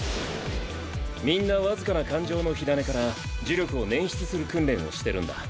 みんな僅かな感情の火種から呪力を捻出する訓練をしてるんだ。